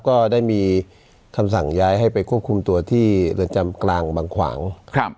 ก็ได้มีคำสั่งย้ายให้ไปควบคุมตัวที่เรือนจำกลางบางขวางครับ